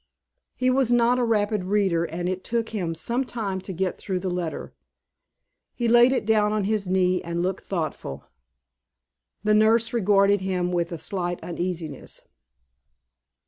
He was not a rapid reader, and it took him some time to get through the letter. He laid it down on his knee, and looked thoughtful. The nurse regarded him with a slight uneasiness.